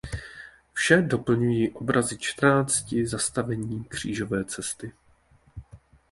Vše doplňují obrazy čtrnácti zastavení Křížové cesty.